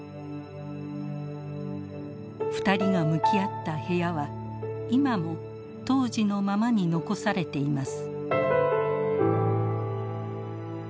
２人が向き合った部屋は今も当時のままに残されています。